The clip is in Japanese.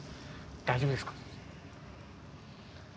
大丈夫ですか？